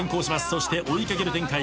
そして追い掛ける展開